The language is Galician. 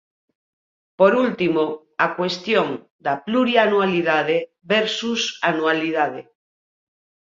Por último, a cuestión da plurianualidade versus anualidade.